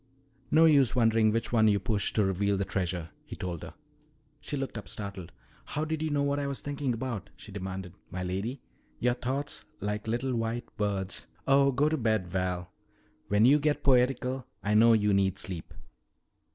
"No use wondering which one you push to reveal the treasure," he told her. She looked up startled. "How did you know what I was thinking about?" she demanded. "My lady, your thoughts, like little white birds " "Oh, go to bed, Val. When you get poetical I know you need sleep.